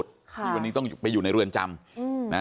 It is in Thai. ที่วันนี้ต้องไปอยู่ในเรือนจำ